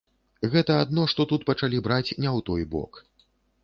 Гэта адно што тут пачалі браць не ў той бок.